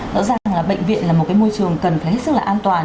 rõ ràng là bệnh viện là một cái môi trường cần phải hết sức là an toàn